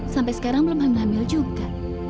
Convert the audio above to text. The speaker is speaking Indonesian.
sampai sekarang belum hamil juga